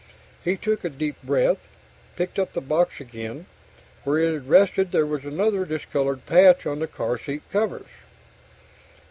_ He took a deep breath, picked up the box again. Where it had rested there was another discolored patch on the car seat covers.